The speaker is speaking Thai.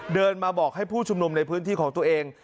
เดินมาบอกให้ผู้ชุมนุมในพื้นที่ของตัวเอง